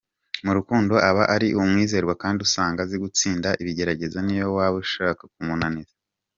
Mu rukundo aba ari umwizerwa kandi usanga azi gutsinda ibigeragezo niyo waba ushaka kumunaniza.